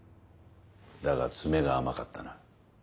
だが詰めが甘かったな。